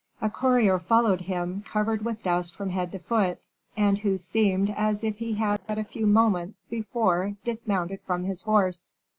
A courier followed him, covered with dust from head to foot, and who seemed as if he had but a few moments before dismounted from his horse.